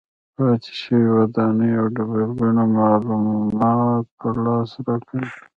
پاتې شوې ودانۍ او ډبرلیکونه معلومات په لاس راکوي.